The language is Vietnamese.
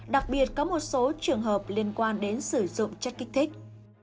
đặc biệt có một số trường hợp liên quan đến sử dụng chất kích thích